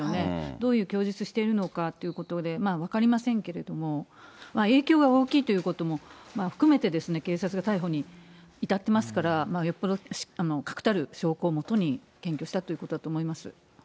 どういう供述しているのかということで、分かりませんけれども、影響が大きいということも含めてですね、警察が逮捕に至ってますから、よっぽど確たる証拠をもとに検挙したということだと思います。